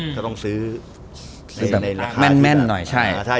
เขาต้องซื้อแม่นหน่อย